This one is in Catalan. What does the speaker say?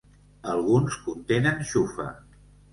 Alguns contenen xufa.